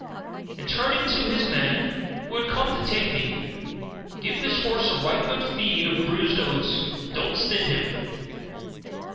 And turning to his man, who had come to take me, "Give this horse a right good feed of bruised oats, and don't stint him."